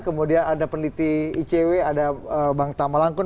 kemudian ada peneliti icw ada bang tama langkun